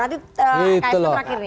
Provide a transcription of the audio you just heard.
nanti kak esno terakhir nih